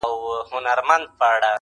• درد زغمي.